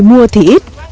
mua thì ít